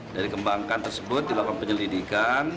dari kembangkan tersebut dilakukan penyelidikan